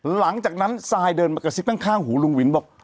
หลังจากนั้นซายเดินมากระซิบข้างหูลุงวินบอก